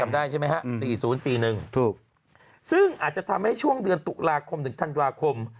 ได้ใช่ไหมฮะ๔๐๔๑ถูกซึ่งอาจจะทำให้ช่วงเดือนตุลาคมถึงธันวาคม